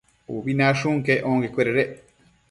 Ubi nashun quec onquecuededec